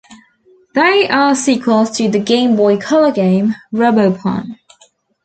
They are sequels to the Game Boy Color game "Robopon".